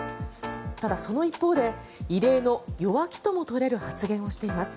ただ、その一方で異例の弱気とも取れる発言をしています。